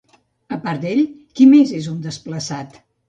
A part d'ell, qui més és un desplaçat?